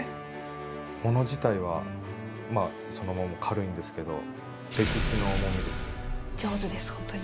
物自体はまあそのまま軽いんですけど上手です本当に。